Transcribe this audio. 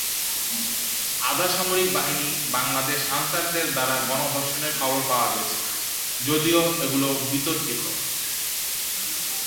আধা সামরিক বাহিনী বাংলাদেশ আনসারদের দ্বারা গণ-ধর্ষণের খবর পাওয়া গেছে, যদিও এগুলি বিতর্কিত।